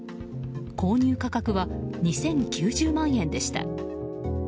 購入価格は２０９０万円でした。